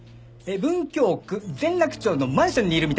文京区前楽町のマンションにいるみたいです。